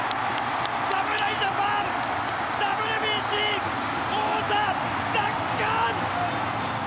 侍ジャパン、ＷＢＣ王座奪還！